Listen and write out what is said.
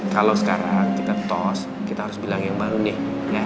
kalau sekarang kita tos kita harus bilang yang baru nih